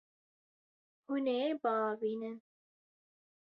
Hûn ê biavînin.